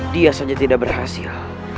dia saja tidak berhasil